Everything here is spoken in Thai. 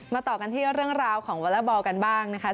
ต่อกันที่เรื่องราวของวอเลอร์บอลกันบ้างนะคะ